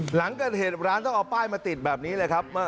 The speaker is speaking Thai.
หลังเกิดเหตุร้านต้องเอาป้ายมาติดแบบนี้เลยครับ